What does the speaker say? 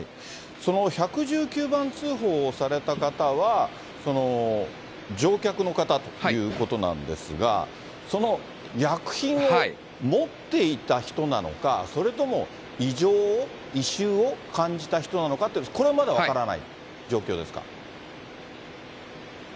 その１１９番通報をされた方は、乗客の方ということなんですが、その薬品を持っていた人なのか、それとも異常を、異臭を感じた人なのかって、これはまだ分からない状況ですか。